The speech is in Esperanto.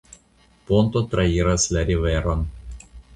Ponto trairas la riveron.